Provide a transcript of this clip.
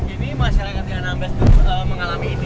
ini masyarakat di anambes mengalami ini